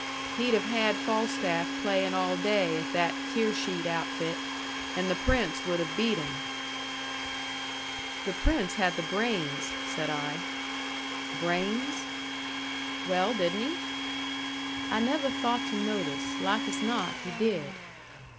He'd have had Falstaff playing all day at that Tearsheet outfit. And the Prince would have beat him." "The Prince had the brains," said I. "Brains?" "Well, didn't he?" "I neveh thought to notice. Like as not he did."